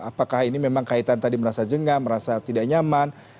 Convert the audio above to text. apakah ini memang kaitan tadi merasa jengah merasa tidak nyaman